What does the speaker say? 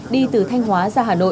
đi từ thanh hóa ra hà nội